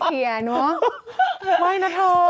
ไม่นะทาง